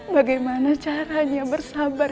bagaimana caranya bersabar